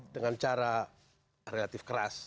dengan cara relatif keras